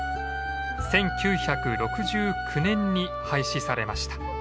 １９６９年に廃止されました。